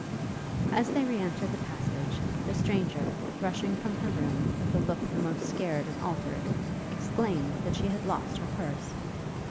As they re entered the passage, the stranger, rushing from her room with a look the most scared and altered, exclaimed, that she had lost her purse.